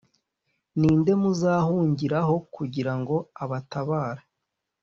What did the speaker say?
Ni nde muzahungiraho kugira ngo abatabare,